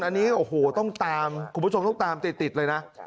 อันนี้โอ้โหต้องตามคุณผู้ชมต้องตามติดเลยนะ